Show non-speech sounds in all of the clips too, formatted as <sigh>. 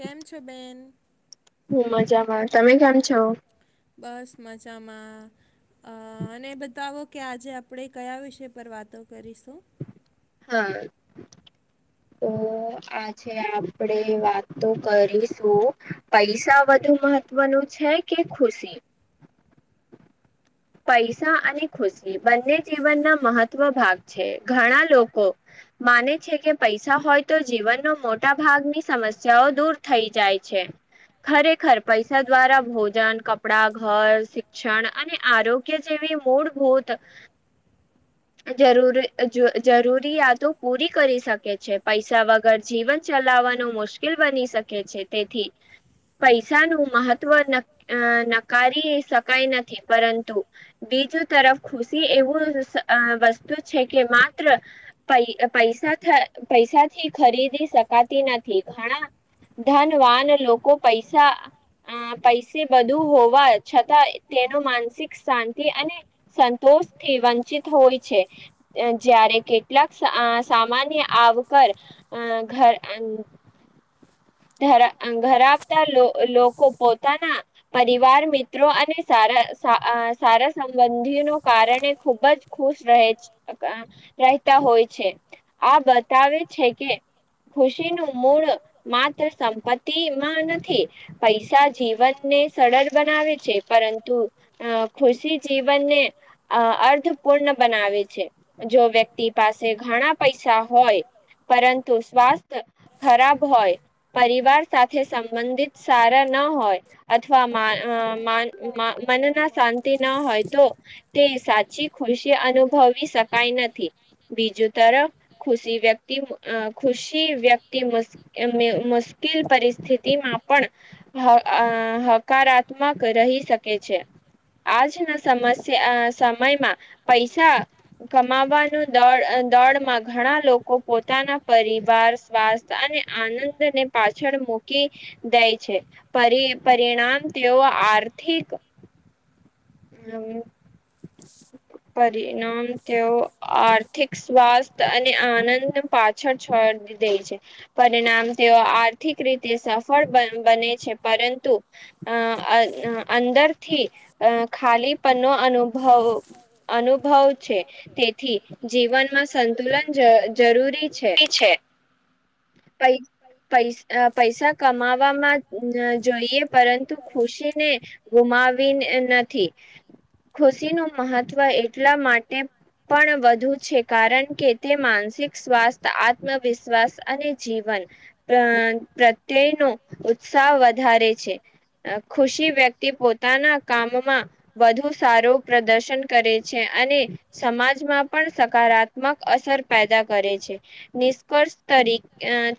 કેમ છો બેેન? હું મજામાં, તમે કેમ છો? બસ મજામાં અ અને બતાવો કે આજે આપડે કયા વિષય પર વાતો કરીશું હા. તો આજે આપડે વાતો કરીશું પૈસા વધુ મહત્વનું છે કે ખુશી પૈસા અને ખુસી બંને જીવનના મહત્વ ભાગ છે, ઘણા લોકો માને છે કે પૈસા હોય તો જીવનનો મોટા ભાગની સમસ્યાઓ દૂર થઈ જાય છે, ખરેખર પૈસા દ્વારા ભોજન, કપડા, ઘર, શિક્ષણ અને આરોગ્ય જેવી મૂળભૂત જરૂર જ જરૂરિયાતો પૂરી કરી શકે છે, પૈસા વગર જીવન ચલાવવાનું મુશ્કેલ બની શકે છે, તેથી પૈસાનું મહત્વ નક અ નકારી શકાય નથી. પરંતુ બીજું તરફ ખુસી એવું સ અ વસ્તુ છે કે માત્ર પૈ પૈસાથ પૈસાથી ખરીદી શકાતી નથી, ઘણા ધનવાન લોકો પૈસા અ પૈસે બધુ હોવા છતાં તે નો માનસિક શાંતિ અને સંતોષથી વંચિત હોય છે, અ જ્યારે કેટલાક સા સામાન્ય આવકર અ ઘર ધર અ ધરાવતા લો અ લોકો પોતાના પરિવાર મિત્રો અને સારા સા આ સારા સંબંધોનો કારણે ખુબ જ ખુશ રહે છ અ કા રહેતા હોય છે આ બતાવે છે કે ખુશીનું મૂળ મા ત્ર સંપત્તિમાં નથી પૈસા જીવનને સડળ બનાવે છે, પરંતુ અ ખુશી જીવનને અ અર્થપૂર્ણ બનાવે છે, જો વ્યક્તિ પાસે ઘણા પૈસા હોય પરંતુ સ્વાસ્થ્ય ખરાબ હોય પરિવાર સાથે સંબંધિત સારા ન હોય અથવા મા અ માન મા મનના શાંતિ ન હોય તો તે સાચી ખુશી અનુભવી શકાય નથી, બીજું તરફ ખુશી વ્યક્તિ અ ખુશી વ્યક્તિ <unintelligible> મુશ્કેલ પરિસ્થિતિમાં પણ હ અ હકારાત્મક રહી શકે છે, આજના સમસ્યા સમયમાં પૈસા કમાવાનુ દોડ અ દોડમાં ઘણા લોકો પોતાના પરિવાર સ્વાસ્થ્ય અને આનંદ ને પાછળ મૂકી દેય છે, પરિ પરિણામ તેઓ આર્થિક પરિણામ તેઓ આર્થિક સ્વાસ્થ અને આનંદ પાછળ છોડી દેય છે, પરિણામ તેઓ આર્થિક રીતે સફળ બન બને છે પરંતુ અ અંદરથી અ ખાલીપનો અનુભવ અનુ ભવ છે, તેથી જીવનમાં સંતુલન જ જરૂરી છે. પ પ પૈસા કમાવામાં જોઈએ પરંતુ ખુશી ને, ગુમાવીને નથી, ખુશીનું મહત્વ એટલા માટે પણ વધુ છે કારણ કે તે માનસિક સ્વાસ્થ આત્મવિશ્વાસ અને જીવન, પ્રત્યયનો ઉત્સાહ વધારે છે, ખુશી વ્યક્તિ પોતાના કામમાં વધુ સારું પ્રદર્શન કરે છે અને સમાજમાં પણ સકારાત્મક અસર પેદા કરે છે, નિષ્કર્ષ તરી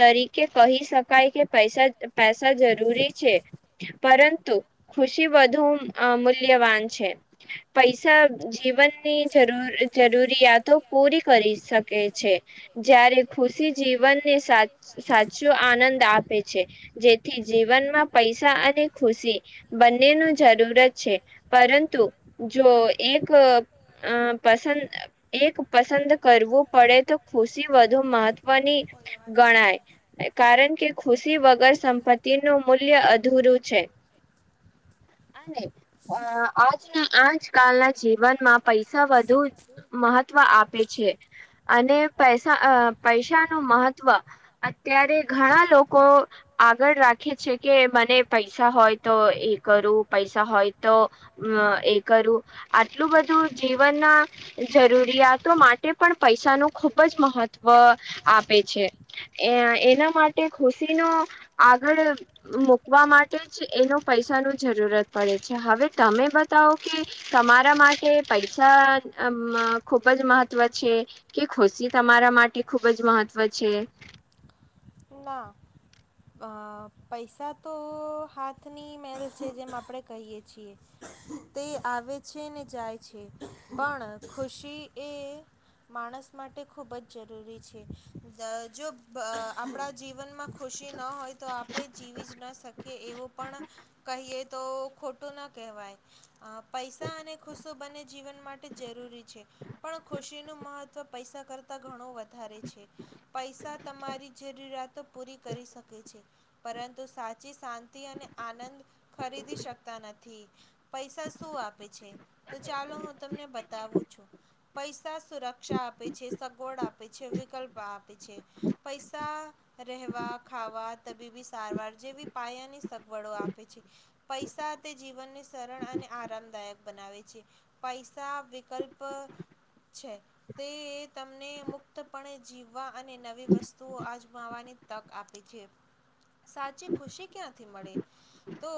તરીકે કહી શકાય કે પૈસા પૈસા જરૂરી છે, પરંતુ ખુશી વધુ અ મૂલ્યવાન છે, પૈસા જીવનની જરૂર જરૂરિયાત તો પૂરી કરી શકે છે જ્યારે ખુશી જીવનને સા સાચો આનંદ આપે છે જેથી જીવન પૈસા અને ખુશી બંનેનું જરૂરત છે પરંતુ જો એક અ પસંદ એક પસંદ કરવું પડે તો ખુશી વધુ મહત્વની ગણાય. કારણ કે ખુશી વગર સંપત્તિ નું મૂલ્ય અધૂરું છે અને અ આજના આજકાલના જીવનમાં પૈસા વધ ધુ મહત્વ આપે છે. અને પેસા અ પૈસા નું મહત્વ અત્યારે ઘણા લોકો આગળ રાખે છે કે મને પૈસા હોય તો એ કરું પૈસા હોય તો એ અ કરું આટલું બધું જીવનના જરૂરિયાતો માટે પણ પૈસાનું ખુબ જ મહત્વ આપે છે એ એના માટે ખુશીનો આગળ મૂકવા માટે જ એનો પૈસાનો જરૂરત પડે હવે તમે બતાવો કે તમારા માટે પૈસા અમ ખૂબ જ મહત્વ છે કે ખુશી તમારા માટે ખૂબ જ મહત્ત્વ છે? ના પૈસા તો હાથની મેલ છે જેમ આપણે કહીએ છીએ તે આવે છે ને જાય છે પણ ખુશી એ માણસ માટે ખૂબ જ જરૂરી છે દ જો આપણા જીવનમાં ખુશી ન હોય તો આપણે જીવી જ ન શકીએ એવું પણ કહીએ તો ખોટું ન કહેવાય. અ પૈસા અને ખુસો બંને જીવન માટે જરૂરી છે પણ ખુશીનું મહ ત્વ પૈસા કરતા ઘણો વધારે છે પૈસા તમારી જરૂરિયાતો પૂરી કરી શકે છે પરંતુ સાચી શાંતિ અને આનંદ ખરીદી શકતા નથી પૈસા શું આપે છે? તો ચાલો હું તમને બતાવું છું પૈસા સુરક્ષા આપે છે, સગવડ આપે છે, વિકલ્પ આપે છે પૈસ સા રહેવા, ખાવા, તબીબી સારવાર જેવી પાયાની સગવડો આપે છે પૈસા તે જીવનને સરળ અને આરામદાયક બનાવે છે પૈસા વિકલ્પ છે તે તમને મુક્તપણે જીવવા અને નવી વસ્ તુ આજમાવાની તક આપે છે સાચી ખુશી ક્યાંથી મળે? તો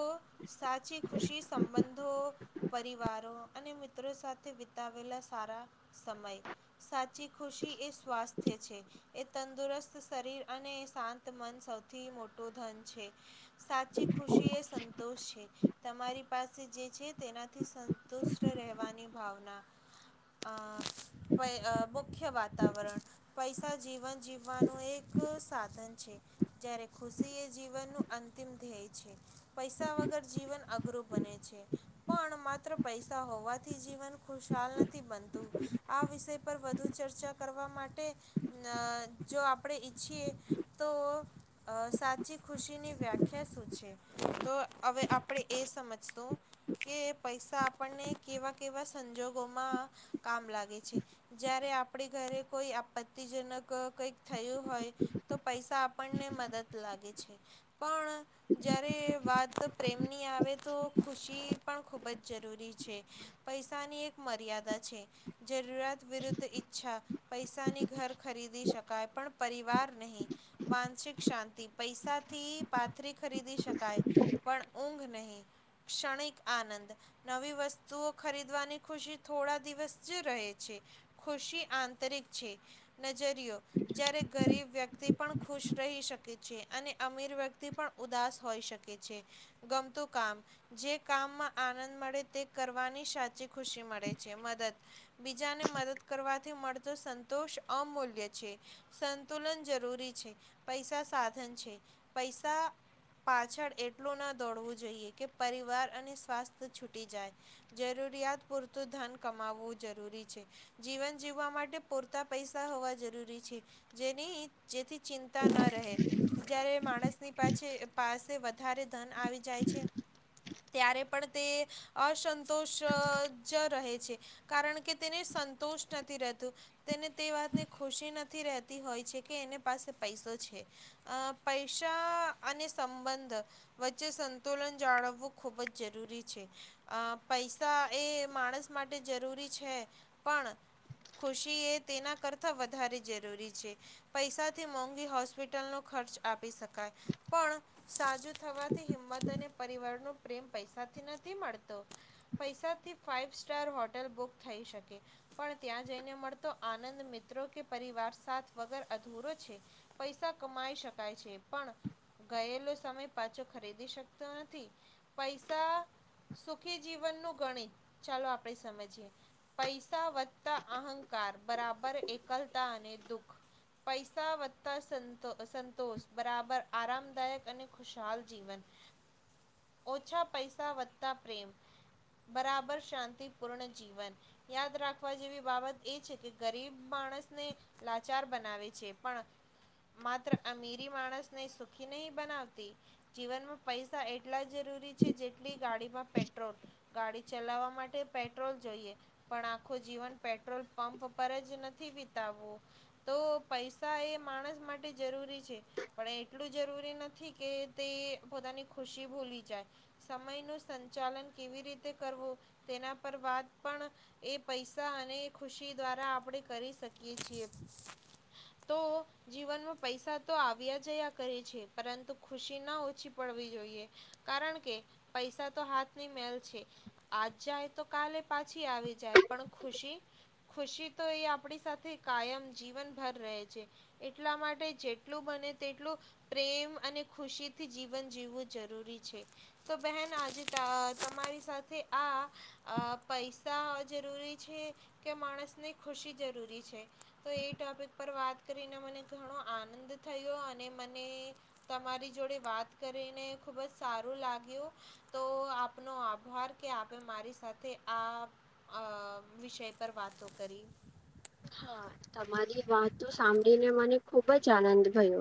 સાચી ખુશી સંબંધો, પરિવારો અને મિત્રો સાથે વિતાવેલા સારા સમય સા ચી ખુશી એ સ્વાસ્થ્ય છે. એ તંદુરસ્ત શરીર અને શાંત મન સૌથી મોટું ધન છે. સાચી ખુશી એ સંતોષ છે. તમારી પાસે જે છે તેનાથી સંતુષ્ટ રહેવાની ભાવના અ હોય મુખ્ય વાતાવરણ પૈસા જીવન જીવવા નું એક સાધન છે જ્યારે ખુશી એ જીવનનું અંતિમ ધ્યેય છે, પૈસા વગર જીવન અઘરું બને છે પણ માત્ર પૈસા હોવાથી જીવન ખુશાલ નથી બનતું આ વિષય પર વધુ ચર્ચા કરવા માટે અ જો આપણે ઈચ્છીએ તો અ સાચી ખુશી ની વ્યાખ્યા શું છે તો હવે આપણે એ સમજ શુ કે પૈસા આપણને કેવા કેવા સંજોગોમાં કામ લાગે છે જયારે આપણી ઘરે કોઈ આપત્તિજનક કઈક થયું હોય તો પૈસા આપણને મદદ લાગે છે પણ જ્યારે વાત પ્રેમની આવે તો ખુશી પણ ખૂબ જ જરૂરી છે પૈસાની એક મર્યાદા છે જરૂરિયાત વિરુદ્ધ ઈચ્છા પૈસાની ઘર ખરીદી શક કાય પણ પરિવાર નહીં માનસિક શાંતિ પૈસાથી પાથરી ખરીદી શકાય પણ ઊંઘ નહીં ક્ષણિક આનંદ નવી વસ્તુઓ ખરીદવાની ખુશી થોડા દિવસ જ રહે છે ખુશી આંતરિક છે નજરયો જ્યારે ગરીબ વ્યક્તિ પણ ખુશ રહી શકે છે અને અમીર વ્યક્તિ પણ ઉદાસ હોઈ શકે છે ગમતું કામ, જે કામમાં આનંદ મળે તે કરવાની સાચી ખુશી મળે છે મદદ બીજાને મદદ કરવાથી મળતો સંતોષ અમૂલ્ય છે. સંતુલન જરૂરી છે પૈસા સાધન છે પૈસા પાછળ એટલું ના દોડવું જોઈએ કે પરિવાર અને સ્વાસ્થ્ય છૂટી જાય જરૂરિયાત પૂરતું ધન કમાવવું જરૂરી છે જીવન જીવવા માટે પૂરતા પૈસા હોવા જરૂરી છે જેની જેથી ચિંતા ન રહે જ્યારે માણસ ની પાછે પાસે વધારે ધન આવી જાય છે ત્યારે પણ તે અસંતોષ જ રહે છે કારણ કે તેને સંતોષ નથી રહેતું તેને તે વાતને ખુશી નથ થી રહેતી હોય છે કે એને પાસે પૈસો છે પૈસા અને સંબંધ વચ્ચે સંતુલન જાળવવું ખૂબ જ જરૂરી છે અ પૈસા એ માણસ માટે જરૂરી છે પણ ખુશી એ તેના કરતા વધારે જરૂરી છે, પૈસાથી મોંઘી હોસ્પિટલનો ખર્ચ આપી શકે ક પણ સાજુ થવાથી હિંમત અને પરિવારનો પ્રેમ પૈસાથી નથી મળતો, પૈસાથી ફાઈવ સ્ટાર હોટલ બુક થઈ શકે, પણ ત્યાં જઈને મળતો આનંદ મિત્રો કે પરિવાર વ અધૂરો છે, પૈસા કમાઈ શકાય છે પણ ગયેલો સમય પાછો ખરીદી શકતો નથી, પૈસા સુખી જીવન નું ગણિત ચાલો આપણે સમજીએ, પૈસા વધતા અહંકાર બરાબર એકલતા અને દખ પૈસા વધતા સ સંતોષ બરાબર આરામદાયક અને ખુશાલ જીવન, ઓછા પૈસા વધતા પ્રેમ, બરાબર શાંતિપૂર્ણ, જીવન યાદ રાખવા જેવી બાબત એ છે કે ગરીબ માણસને લાચાર બનાવે છે, પણ માત્ર અમીરી માણસને સુખી નહી બનાવતી જીવનમાં પૈસા એટલા જરૂરી છે જેટલી ગાડીમાં પેટ્રોલ, ગાડી ચલાવવા માટે પેટ્રોલ જોઈએ પણ આખું જીવન પેટ્રોલ પંપ પર જ નથી વિતાવવું. તો પૈસા એ માણસ માટે જરૂરી છે, પણ એટલું જરૂરી નથી કે તે પોતાની ખુશી ભૂલી જાય, સમય નું સંચાલન કેવી રીતે કરવું, તેના પર વાત પણ એ પૈસા અને ખુશી દ્વારા આપણે કરી શકીએ છીએ. તો જીવનમાં પૈસા તો આવ્યા જયા કરી છે પરંતુ ખુશી ના ઓછી પડવી જોઈએ, કારણ કે પૈસા તો હાથ ની મેલ છે આજ જાય તો કાલે પાછી આવી જાય પણ ખુશી, ખુશી તો એ આપડી સાથે કાયમ જીવન ભર રહે છે, એટલા માટે જેટલું બને તેટલું પ્રેમ અને ખુશી થી જીવન જીવવું જરૂરી છે, તો બહેન આજે તમારી સાથે આ, પૈસા જરૂરી છે કે માણસને ખુશી જરૂરી છે? તો એ ટોપિક પર વાત કરીને મને ઘણો આનંદ થયો અને મને, તમારી જોડે વાત કરીને ખુબ જ સારું લાગ્યું, તો આપનો આભાર કે આપે મારી સાથે આ વિષય પર વાતો કરી. હા તમારી વાતો સાંભળીને મને ખુબ જ આનંદ થયો,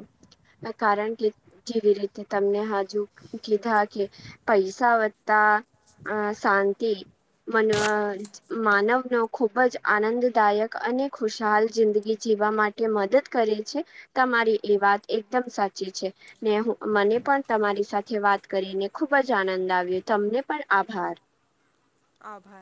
કારણ કે જેવી રીતે તમને હજુ કીધા કે, પૈસા વત્તા હ શાંત તે માનવનો ખૂબ જ આનંદદાયક અને ખુશહાલ જિંદગી જીવવા માટે મદદ કરે છે, તમારી એ વાત એકદમ સાચી છે, ને મને પણ તમારી સાથે વાત કરીને ખુબ જ આનંદ આવ્યો તમને પણ આભાર. આભાર.